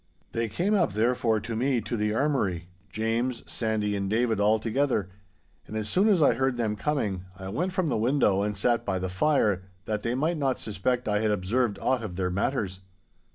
They came up therefore to me to the armoury, James, Sandy and David all together; and as soon as I heard them coming I went from the window and sat by the fire, that they might not suspect I had observed aught of their matters.